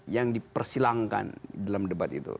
yang dipersilangkan dalam debat itu